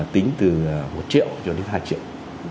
tính từ một triệu cho đến hai triệu